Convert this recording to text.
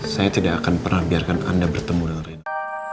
saya tidak akan pernah biarkan anda bertemu dengan reno